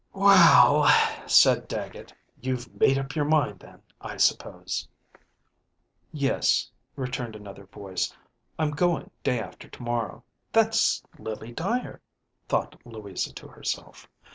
"Well," said Dagget, "you've made up your mind, then, I suppose ?" "Yes," returned another voice; "I'm going, day after tomorrow." ďThat's Lily Dyer," thought Louisa to herself.